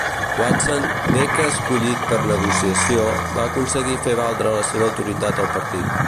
Watson, bé que escollit per negociació, va aconseguir fer valdre la seva autoritat al partit.